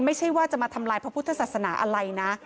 ไม่ใช่ว่าจะมาทำลายพระพุทธศาสนาอะไรนะ